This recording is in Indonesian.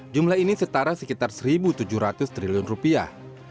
jumlah ini setara sekitar satu tujuh ratus triliun rupiah